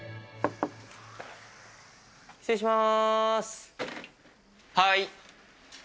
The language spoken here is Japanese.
失礼します。